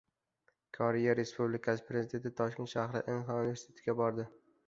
Koreya Respublikasi prezidenti Toshkent shahridagi Inha universitetiga bordi